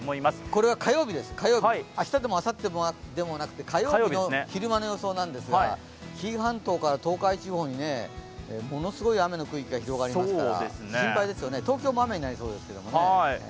これは火曜日、明日でもあさってでもなく火曜日の昼間の予想なんですが紀伊半島から東海地方にものすごい雨の区域が広がりますから、心配ですよね、東京も雨になりそうですからね。